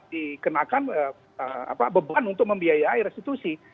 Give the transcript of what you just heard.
dikenakan beban untuk membiayai restitusi